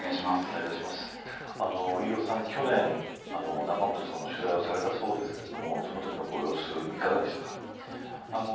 飯尾さん、去年仲本さんの取材をされたそうですけれどそのときのご様子はいかがでしたか。